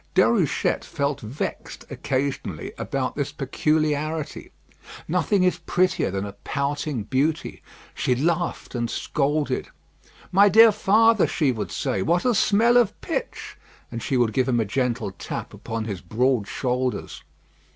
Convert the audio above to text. Déruchette felt vexed, occasionally, about this peculiarity. Nothing is prettier than a pouting beauty. She laughed and scolded. "My dear father," she would say, "what a smell of pitch!" and she would give him a gentle tap upon his broad shoulders.